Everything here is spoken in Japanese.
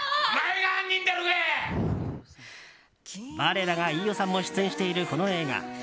我らが飯尾さんも出演している、この映画。